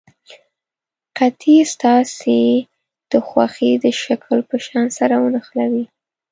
قطي ستاسې د خوښې د شکل په شان سره ونښلوئ.